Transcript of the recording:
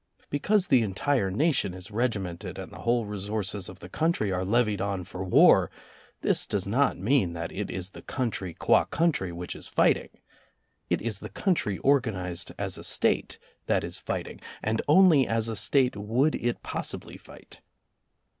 Because the entire nation is regimented and the whole resources of the country are levied on for war, this does not mean that it is the country qua country which is fighting. It is the country organized as a State that is fighting, and only as a State would it pos sibly fight.